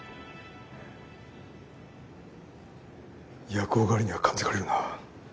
夜行狩りには感づかれるな。